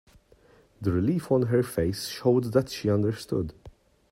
The relief on her face showed that she understood.